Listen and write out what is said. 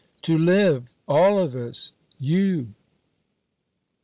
"To live!" "All of us!" "You!"